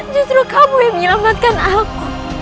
justru kamu yang menyelamatkan aku